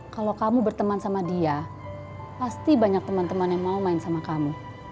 kalau kamu berteman sama dia pasti banyak teman teman yang mau main sama kamu